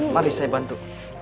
mari saya bantu